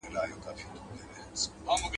• د مغل زور په دهقان، د دهقان زور په مځکه.